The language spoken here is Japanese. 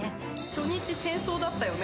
初日戦争だったよね。